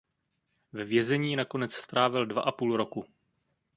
Ve vězení nakonec strávil dva a půl roku.